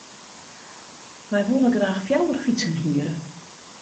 Wy wolle graach fjouwer fytsen hiere.